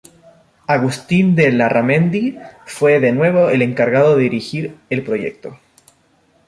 Agustín de Larramendi fue de nuevo el encargado de dirigir el proyecto.